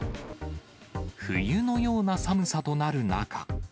冬のような寒さとなる中。